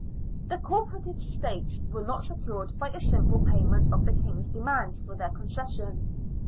The corporate estates were not secured by a simple payment of the King's demands for their concession.